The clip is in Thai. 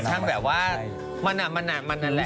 ทั้งแต่ว่ามันนั่นแหละ